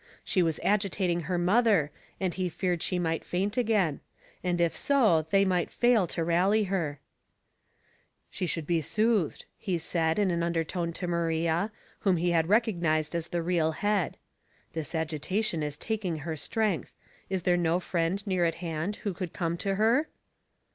She was agitating her mother, and he feared she might faint again ; and if so they might fail to rally her. " What is the Differenced* 83 *' She should be soothed," he said, in an under tone to Maria, whom he had recognized as the real head. " This agitation is taking her strength. Is there no friend near at hand who would come to her?"